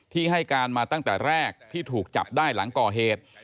ให้การมาตั้งแต่แรกที่ถูกจับได้หลังก่อเหตุ